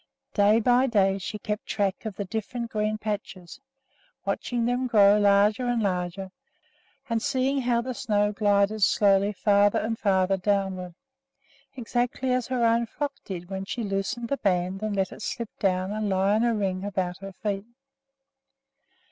Day by day she kept track of the different green patches, watching them grow larger and larger, and seeing how the snow glided slowly farther and farther downward, exactly as her own frock did when she loosened the band and let it slip down and lie in a ring around her feet.